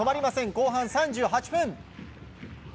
後半３８分。